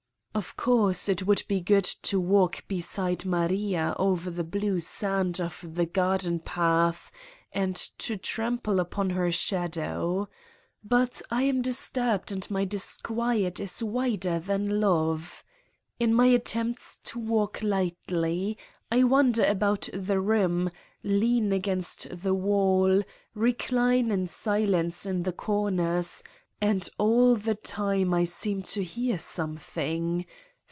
Of course, it would be good to walk beside Maria over the blue 204 Satan's Diary sand of the garden path and to trample upon her shadow. But I am disturbed and my disquiet is wider than love. In my attempts to walk lightly I wander about the room, lean against the wall, recline in silence in the corners, and all the time I seem to hear something.